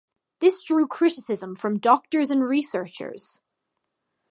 This drew criticism from doctors and researchers.